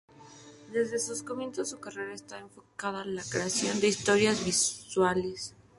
Desde sus comienzos, su carrera está enfocada a la creación de historias visuales.